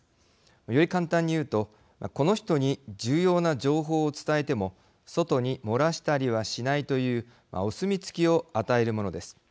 より簡単に言うとこの人に重要な機密を伝えても外に漏らしたりしないというお墨付きを与えるものです。